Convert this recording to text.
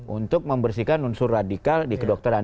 untuk membersihkan unsur radikal di kedokteran